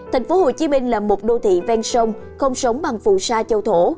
thành phố hồ chí minh là một đô thị ven sông không sống bằng phù sa châu thổ